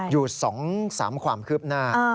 อยู่๒๓ความคืบหน้า